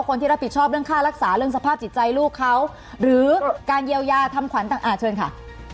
คนที่รับผิดชอบเรื่องค่ารักษาเรื่องสภาพจิตใจลูกเขาหรือการเยียวยาทำขวัญต่างเชิญค่ะ